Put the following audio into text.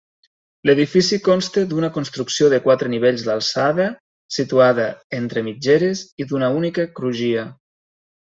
L'edifici consta d'una construcció de quatre nivells d'alçada, situada entre mitgeres i d'una única crugia.